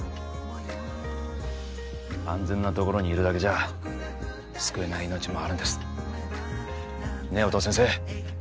安全な所にいるだけじゃ救えない命もあるんですねえ音羽先生